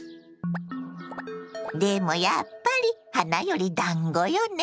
でもやっぱり花よりだんごよね。